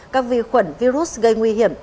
các vi khuẩn virus gây nguy hiểm